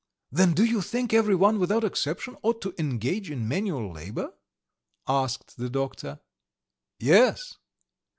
"Then do you think everyone without exception ought to engage in manual labour?" asked the doctor. "Yes."